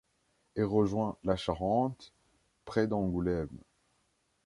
Elle rejoint la Charente près d'Angoulême.